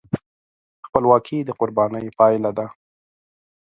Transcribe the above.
خپلواکي د قربانۍ پایله ده.